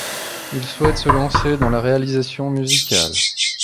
Il souhaite se lancer dans la réalisation musicale.